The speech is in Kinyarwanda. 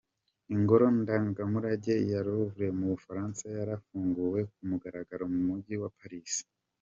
Ingoro ndangamurage ya Louvre mu Bufaransa yarafunguwe ku mugaragaro mu mujyi wa Paris.